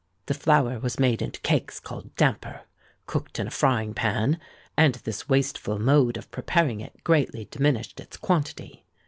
The flour was made into cakes called damper, cooked in a frying pan; and this wasteful mode of preparing it greatly diminished its quantity.